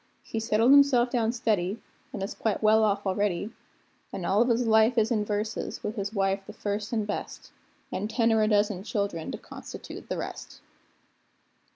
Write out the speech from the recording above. He settled himself down steady, an' is quite well off already; An' all of his life is verses, with his wife the first an' best, An' ten or a dozen childr'n to constitute the rest.